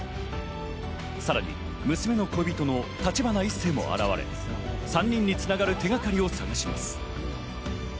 さらに娘の恋人の橘一星も現れ、３人に繋がる手がかりを探します。